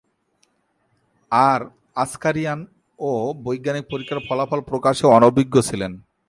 আর আস্কারিয়ান-ও বৈজ্ঞানিক পরীক্ষার ফলাফল প্রকাশে অনভিজ্ঞ ছিলেন।